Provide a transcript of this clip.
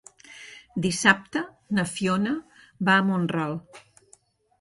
Dissabte na Fiona va a Mont-ral.